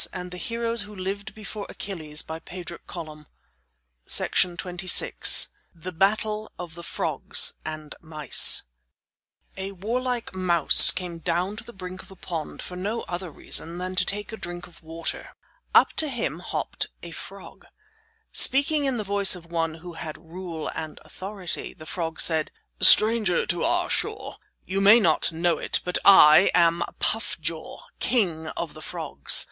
And thereupon the second robber, his head reaching down to Heracles's waist, began: THE BATTLE OF THE FROGS AND MICE A warlike mouse came down to the brink of a pond for no other reason than to take a drink of water. Up to him hopped a frog. Speaking in the voice of one who had rule and authority, the frog said: "Stranger to our shore, you may not know it, but I am Puff Jaw, king of the frogs.